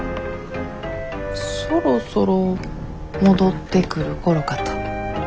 そろそろ戻ってくる頃かと。